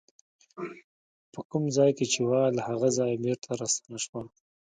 په کوم ځای کې چې وه له هغه ځایه بېرته راستنه شوه.